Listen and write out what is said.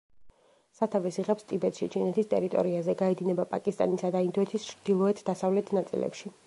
სათავეს იღებს ტიბეტში, ჩინეთის ტერიტორიაზე, გაედინება პაკისტანისა და ინდოეთის ჩრდილოეთ-დასავლეთ ნაწილებში.